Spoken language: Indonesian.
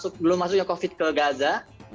sejak belum masuknya covid ke gaza